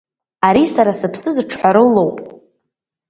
Ари сара сыԥсы зыҿҳәароу лоуп.